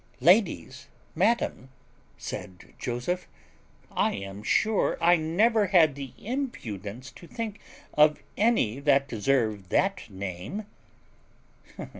"Ladies! madam," said Joseph, "I am sure I never had the impudence to think of any that deserve that name."